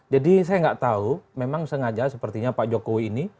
jadi saya nggak tahu memang sengaja sepertinya pak jokowi ini